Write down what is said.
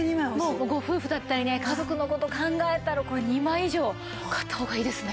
ご夫婦だったりね家族の事を考えたらこれ２枚以上買った方がいいですね。